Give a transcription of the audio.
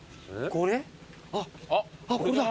これだ。